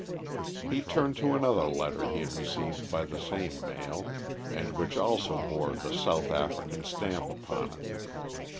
He turned to another letter he had received by the same mail, and which also bore the South African stamp upon it.